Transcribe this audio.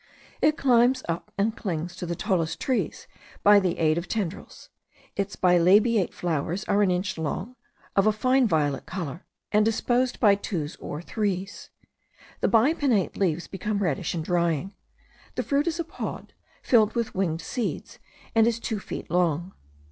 It climbs up and clings to the tallest trees by the aid of tendrils. Its bilabiate flowers are an inch long, of a fine violet colour, and disposed by twos or threes. The bipinnate leaves become reddish in drying. The fruit is a pod, filled with winged seeds, and is two feet long.